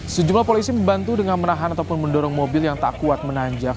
sejumlah polisi membantu dengan menahan ataupun mendorong mobil yang tak kuat menanjak